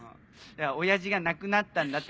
親父が亡くなったんだって